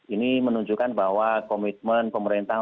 ini menunjukkan bahwa komitmen pemerintah